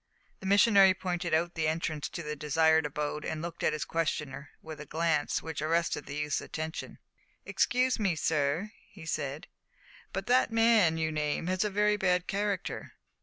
The missionary pointed out the entrance to the desired abode, and looked at his questioner with a glance which arrested the youth's attention. "Excuse me, sir," he said, "but the man you name has a very bad character."